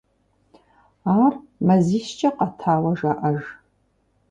Ар мазищкӏэ къэтауэ жаӏэж.